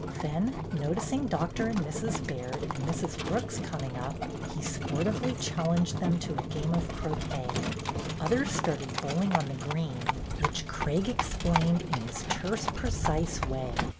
Then, noticing Doctor and Mrs. Baird and Mrs. Brooks coming up, he sportively challenged them to a game of croquet. Others started bowling on the green, which Craig explained in his terse, precise way.